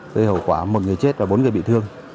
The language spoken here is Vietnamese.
gây hậu quả một người chết và bốn người bị thương